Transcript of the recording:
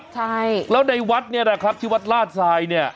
ใช่แล้วในวัดเนี่ยนะครับที่วัดลาดทรายเนี่ย